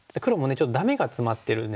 ちょっとダメがツマってるんですよね。